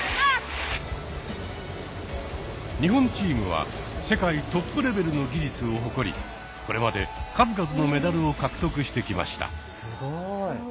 日本チームは世界トップレベルの技術を誇りこれまで数々のメダルを獲得してきました。